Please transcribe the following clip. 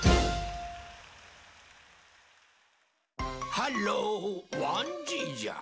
はっろわんじいじゃ。